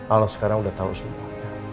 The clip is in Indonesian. allah sekarang udah tahu semua